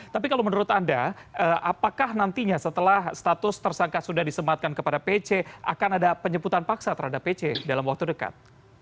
tapi kalau menurut anda apakah nantinya setelah status tersangka sudah disematkan kepada pc akan ada penyebutan paksa terhadap pc dalam waktu dekat